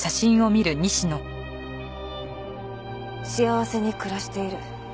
幸せに暮らしている。